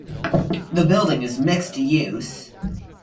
The building is mixed-use.